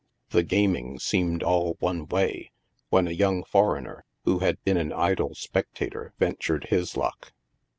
The gaming seemed all one way, when a young foreigner, who had been an idle spectator, ventured his luck.